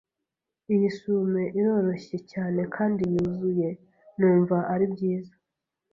Iyi sume iroroshye cyane kandi yuzuye. Numva ari byiza!